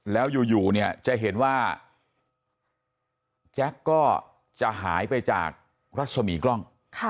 แล้วอยู่เนี่ยจะเห็นว่าแจ็คก็จะหายไปจากรัศมีกล้อง